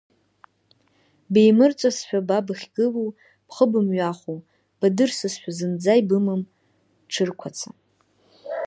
Беимырҵәазшәа ба бахьгылоу, бхы бымҩахо, бадырсызшәа, зынӡа ибымам ҽырқәаца.